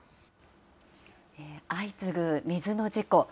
相次ぐ水の事故。